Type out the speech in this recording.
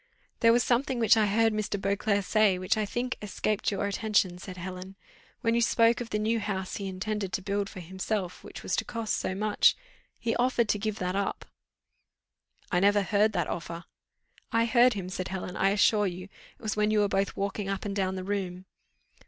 "There was something which I heard Mr. Beauclerc say, which, I think, escaped your attention," said Helen. "When you spoke of the new house he intended to build for himself, which was to cost so much, he offered to give that up." "I never heard that offer." "I heard him," said Helen, "I assure you: it was when you were both walking up and down the room."